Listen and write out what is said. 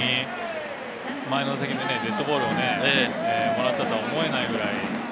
前の打席にテッドボールをもらったと思えないくらい。